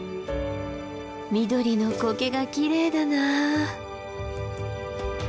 緑のコケがきれいだなあ。